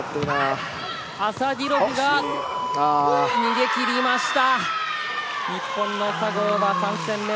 アサディロフが逃げ切りました。